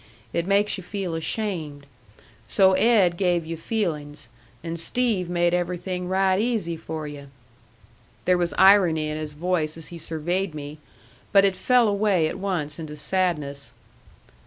It makes you feel ashamed. So Ed gave you feelings, and Steve made everything right easy for you!" There was irony in his voice as he surveyed me, but it fell away at once into sadness.